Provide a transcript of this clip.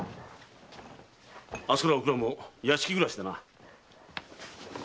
明日からはおくらも屋敷暮らしだな。